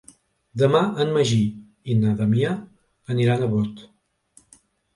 Demà en Magí i na Damià aniran a Bot.